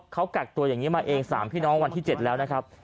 เขากักตัวอย่างนี้มาเอง๓พี่น้องวันที่๗แล้วนะครับ